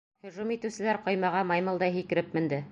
Һөжүм итеүселәр ҡоймаға маймылдай һикереп менде.